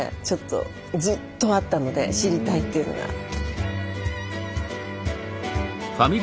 ちょっとずっとあったので知りたいっていうのが。